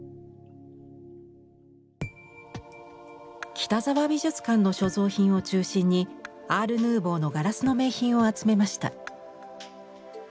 北澤美術館の所蔵品を中心にアール・ヌーヴォーのガラスの名品を集めました。